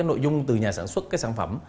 nội dung từ nhà sản xuất sản phẩm